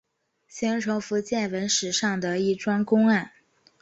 形成福建文史上的一桩公案。